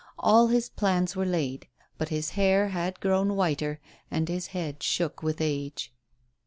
All his plans were laid. But his hair had grown whiter, and his head shook with age.